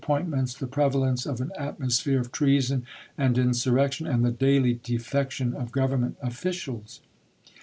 pointments, the prevalence of an atmosphere of treason and insuiTection, and the daily defection of Government officials.